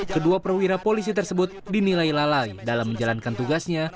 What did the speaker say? kedua perwira polisi tersebut dinilai lalai dalam menjalankan tugasnya